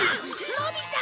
のび太！